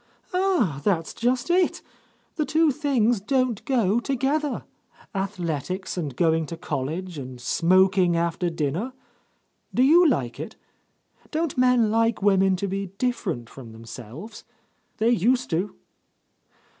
"Ah, that's just it! The two things don't go together. Athletics and go ing to college and smoking after dinner — Do you like it ? Don't men like women to be different from themselves ? They used to."